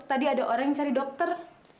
tadi ada orang yang cari dokter